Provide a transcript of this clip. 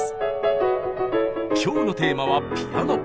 今日のテーマは「ピアノ」。